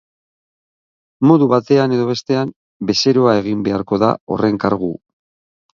Modu batean edo bestean, bezeroa egin beharko da horren kargu.